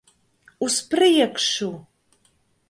Uz priekšu!